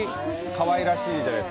かわいらしいので。